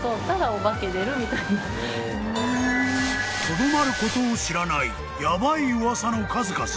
［とどまることを知らないヤバい噂の数々］